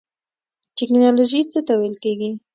ټیکنالوژی څه ته ویل کیږی؟